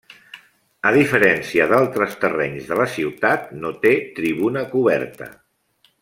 A diferència d'altres terrenys de la ciutat no té tribuna coberta.